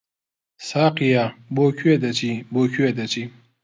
ساقییا! بۆ کوێ دەچی، بۆ کوێ دەچی؟